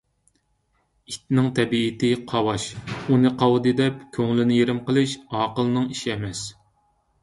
ئىتنىڭ تەبىئىتى قاۋاش. ئۇنى قاۋىدى دەپ، كۆڭۈلنى يېرىم قىلىش ئاقىلنىڭ ئىشى ئەمەس.